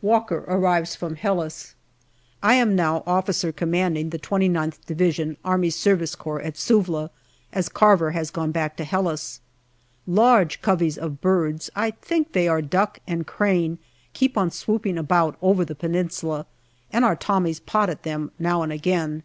Walker arrives from Helles. I am now O.C. the 29th Division A.S.C. at Suvla, as Carver has gone back to Helles. Large coveys of birds I think they are duck and crane keep on swooping about over the Peninsula, and our Tommies pot at them now and again.